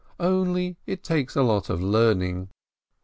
Only it takes a lot of learning."